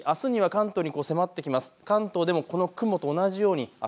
この寒気があすには関東に迫ってきます。